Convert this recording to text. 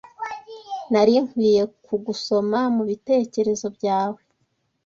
Nari nkwiye kugusoma mubitekerezo byawe